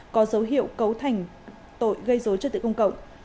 có dấu hiệu cấu thành tội gây dối trật tự công cộng